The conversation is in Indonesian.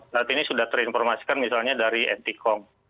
saat ini sudah terinformasikan misalnya dari ntkom